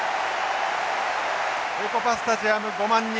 エコパスタジアム５万人。